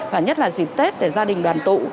và nhất là dịp tết để gia đình đoàn tụ